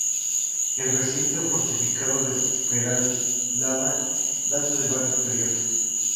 El recinto fortificado de Peralada data de varios periodos.